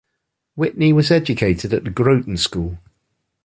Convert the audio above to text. Whitney was educated at the Groton School.